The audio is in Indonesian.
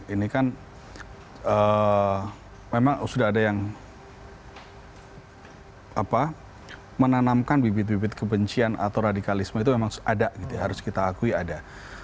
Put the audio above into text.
ini kan memang sudah ada yang menanamkan bibit bibit kebencian atau radikalisme itu memang ada gitu ya harus kita akui ada